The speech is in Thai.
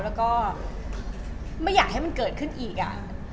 แล้วก็ไม่อยากให้มันเกิดขึ้นอีกอ่ะ